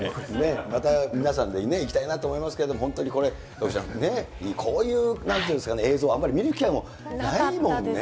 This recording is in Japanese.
また皆さんで行きたいなと思いますけれども、本当にこれ、徳島さん、こういうなんて言うんですかね、映像をあんまり見る機会もなかったですもんね。